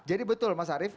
jadi betul mas arief